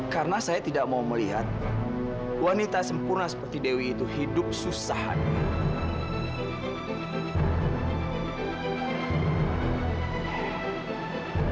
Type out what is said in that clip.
karena saya tidak mau melihat wanita sempurna seperti dewi itu hidup susahannya